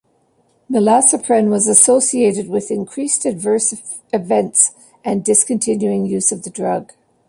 Milnacipran was associated with increased adverse events and discontinuing use of the drug.